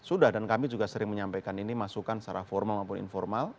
sudah dan kami juga sering menyampaikan ini masukan secara formal maupun informal